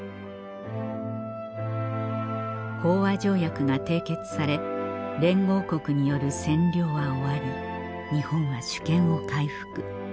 講和条約が締結され連合国による占領は終わり日本は主権を回復